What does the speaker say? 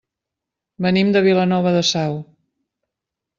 Venim de Vilanova de Sau.